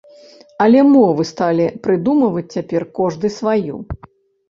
Але мовы сталі прыдумваць цяпер кожны сваю!